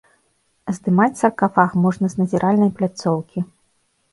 Здымаць саркафаг можна з назіральнай пляцоўкі.